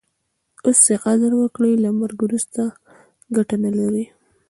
اوس ئې قدر وکړئ! له مرګ وروسته ګټه نه لري.